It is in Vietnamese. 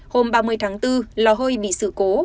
hôm ba mươi tháng bốn lò hơi bị sự cố